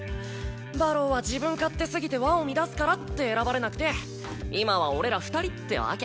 馬狼は自分勝手すぎて和を乱すからって選ばれなくて今は俺ら２人ってわけ。